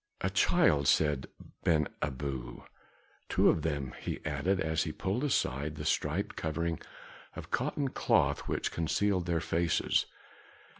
"A child!" said Ben Abu. "Two of them," he added as he pulled aside the striped covering of cotton cloth which concealed their faces.